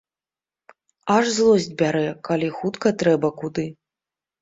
Аж злосць бярэ, калі хутка трэба куды.